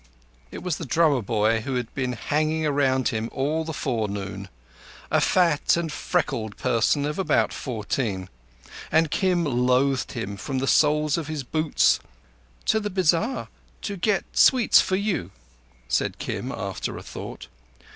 It was the drummer boy who had been hanging round him all the forenoon—a fat and freckled person of about fourteen, and Kim loathed him from the soles of his boots to his cap ribbons. "To the bazar—to get sweets—for you," said Kim, after thought.